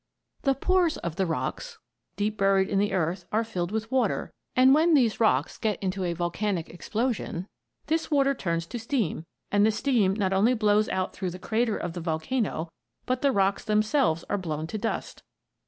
The pores of the rocks, deep buried in the earth, are filled with water, and when these rocks get into a volcanic explosion, this water turns to steam, and the steam not only blows out through the crater of the volcano, but the rocks themselves are blown to dust.